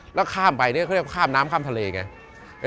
แล้วข้ามไปเนี่ยเขาเรียกว่าข้ามน้ำข้ามทะเลไง